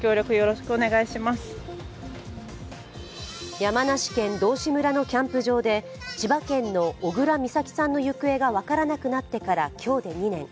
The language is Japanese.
山梨県道志村のキャンプ場で千葉県の小倉美咲さんの行方が分からなくなってから、今日で２年。